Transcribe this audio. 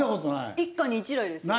一家に１台ですよ。